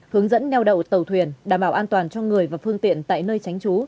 hướng dẫn neo đậu tàu thuyền đảm bảo an toàn cho người và phương tiện tại nơi tránh trú